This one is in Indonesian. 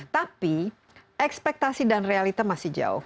tapi ekspektasi dan realita masih jauh